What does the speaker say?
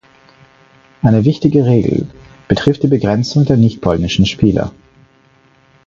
Eine wichtige Regel betrifft die Begrenzung der nicht-polnischen Spieler.